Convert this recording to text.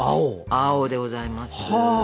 青でございます！は。